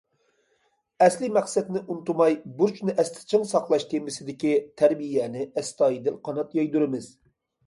« ئەسلىي مەقسەتنى ئۇنتۇماي، بۇرچنى ئەستە چىڭ ساقلاش» تېمىسىدىكى تەربىيەنى ئەستايىدىل قانات يايدۇرىمىز.